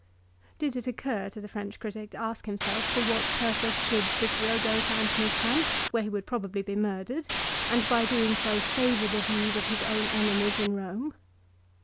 Did it occur to the French critic to ask himself for what purpose should Cicero go to Antony's camp, where he would probably be murdered, and by so doing favour the views of his own enemies in Eome